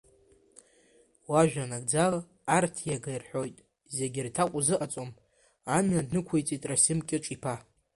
Уажәа нагӡала, арҭ иага рҳәоит, зегь рҭак узыҟаҵом, амҩа днықәиҵеит Расим Кьыҿ-иԥа.